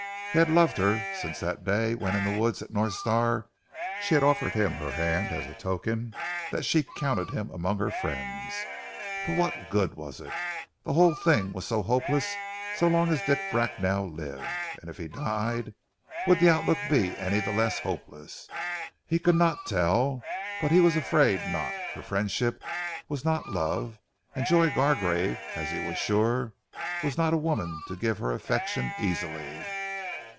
He had loved her since that day when in the woods at North Star she had offered him her hand as a token that she counted him among her friends! But what good was it? The whole thing was so hopeless so long as Dick Bracknell lived. And if he died, would the outlook be any the less hopeless? He could not tell, but he was afraid not; for friendship was not love, and Joy Gargrave, as he was sure, was not a woman to give her affection easily.